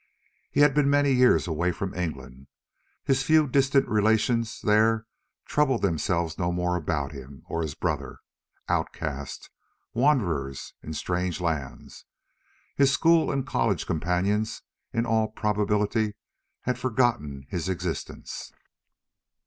He had been many years away from England, his few distant relations there troubled themselves no more about him or his brother, outcasts, wanderers in strange lands, and his school and college companions in all probability had forgotten his existence.